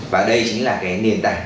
và đây chính là cái nền tảng